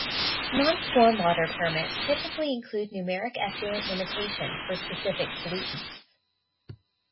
Non-stormwater permits typically include numeric effluent limitations for specific pollutants.